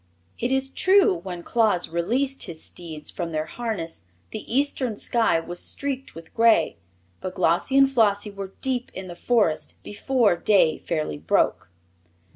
It is true when Claus released his steeds from their harness the eastern sky was streaked with gray, but Glossie and Flossie were deep in the Forest before day fairly broke.